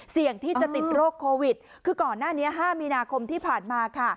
เสี่ยงที่จะติดโรคโควิดคือก่อนหน้านี้๕มีนาคมที่ผ่านมาค่ะ